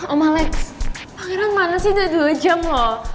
om alex pangeran mana sih udah dua jam loh